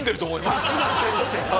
さすが先生。